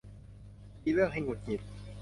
มีเรื่องให้หงุดหงิด